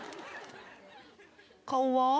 顔は？